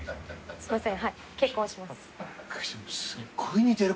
すいません。